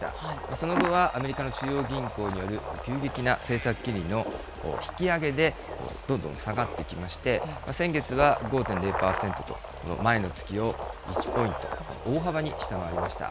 その後はアメリカの中央銀行による急激な政策金利の引き上げで、どんどん下がってきまして、先月は５．０％と、前の月を１ポイント、大幅に下回りました。